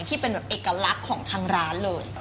ที่เป็นแบบเอกลักษณ์ของทางร้านเลย